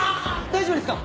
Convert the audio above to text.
大丈夫ですか